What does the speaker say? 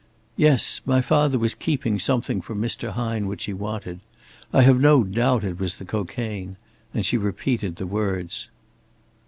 "Yes. My father was keeping something from Mr. Hine which he wanted. I have no doubt it was the cocaine," and she repeated the words.